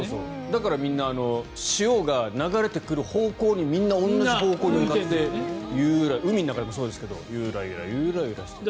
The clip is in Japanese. だからみんな潮が流れてくる方向にみんな同じ方向に向かって海の中でもそうですけどゆらゆらしてる。